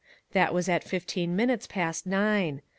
That was at fifteen min utes past nine.